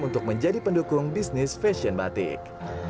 untuk menjadi pendukung bisnis fashion batik